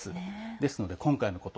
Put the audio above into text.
ですので今回のこと